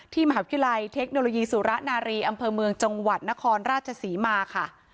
มหาวิทยาลัยเทคโนโลยีสุระนารีอำเภอเมืองจังหวัดนครราชศรีมาค่ะ